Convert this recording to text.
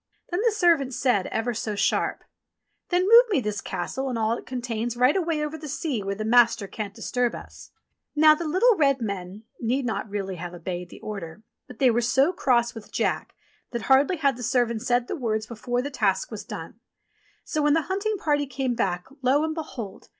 Then the servant said ever so sharp, "Then move me this Castle and all it contains right away over the sea where the master can't disturb us." Now the little red men need not really have obeyed the order, but they were so cross with Jack that hardly had the servant said the words before the task was done ; so when the hunting party came back, lo, and behold